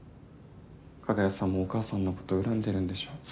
加賀谷さんもお母さんのこと恨んでるんでしょ？